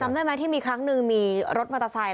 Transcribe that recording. ได้ไหมที่มีครั้งหนึ่งมีรถมอเตอร์ไซค